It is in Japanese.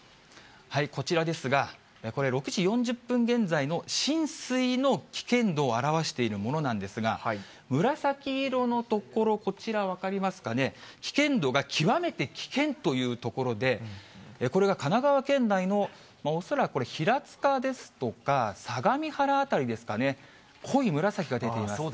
こちらですが、これ、６時４０分現在の浸水の危険度を表しているものなんですが、紫色の所、こちら、分かりますかね、危険度が極めて危険という所で、これが神奈川県内の、恐らくこれ、平塚ですとか、相模原辺りですかね、濃い紫が出ています。